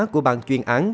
của bàn chuyên án